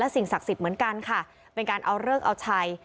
สิ่งศักดิ์สิทธิ์เหมือนกันค่ะเป็นการเอาเลิกเอาชัย